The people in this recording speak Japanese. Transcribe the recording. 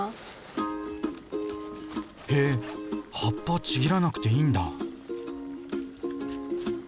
へえ葉っぱちぎらなくていいんだ！